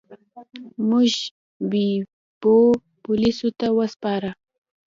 موږ بیپو پولیسو ته وسپاره.